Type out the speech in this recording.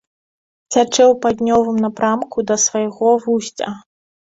Цячэ ў паўднёвым напрамку да свайго вусця.